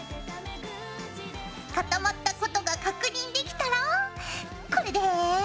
固まったことが確認できたらこれで。